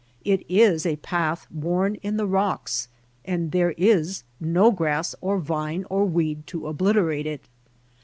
It is a path worn in the rocks, and there is no grass or vine or weed to obliterate it.